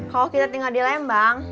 kalau kita tinggal di lembang